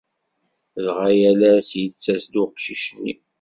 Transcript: Dɣa yal ass yettas-d uqcic-nni.